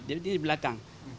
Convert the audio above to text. ini di belakang